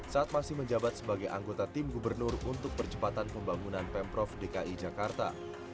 saat masih menjabat sebagai anggota tim gubernur untuk percepatan pembangunan pemprov dki jakarta